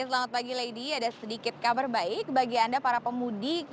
selamat pagi lady ada sedikit kabar baik bagi anda para pemudik